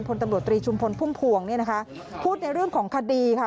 พลตำรวจตรีชุมพลภุมภวงพูดในเรื่องของคดีค่ะ